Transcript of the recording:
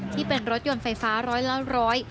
ที่เป็นรถยนต์ไฟฟ้าร้อยละร้อย